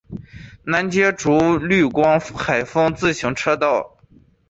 南接竹风绿光海风自行车道。